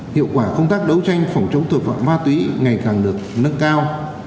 hiệu quả công tác đấu tranh phòng chống tội phạm ma túy ngày càng được nâng cao